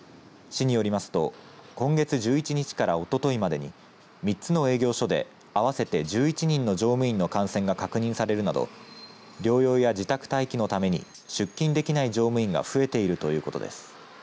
市によりますと今月１１日から、おとといまでに３つの営業所で合わせて１１人の乗務員の感染が確認されるなど療養や自宅待機のために出勤できない乗務員が増えているということです。